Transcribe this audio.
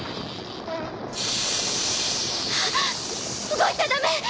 動いちゃダメ！